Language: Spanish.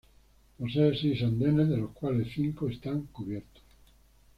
Posee seis andenes, de los cuales cinco están cubiertos.